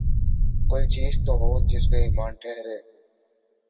کوئی چیز تو ہو جس پہ ایمان ٹھہرے۔